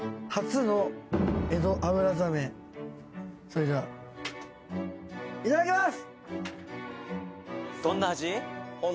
それではいただきます！